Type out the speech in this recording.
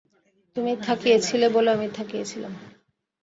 তুমি থাকিয়ে ছিলে বলে আমি থাকিয়ে ছিলাম।